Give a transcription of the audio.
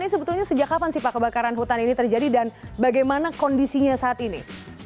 ini sebetulnya sejak kapan sih pak kebakaran hutan ini terjadi dan bagaimana kondisinya saat ini